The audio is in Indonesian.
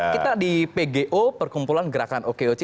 kita di pgo per kumpulan gerakan okoc